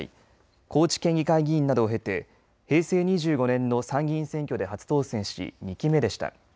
高知県議会議員などを経て平成２５年の参議院選挙で初当選し２期目でした。